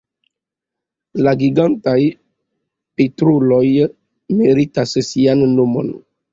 La Gigantaj petreloj meritas sian nomon.